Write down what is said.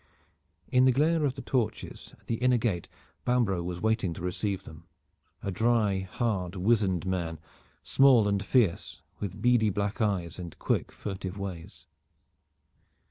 In the glare of the torches at the inner gate Bambro' was waiting to receive them, a dry, hard, wizened man, small and fierce, with beady black eyes and quick furtive ways.